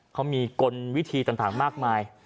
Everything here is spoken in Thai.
เขามีกลวิธีต่างมากมาย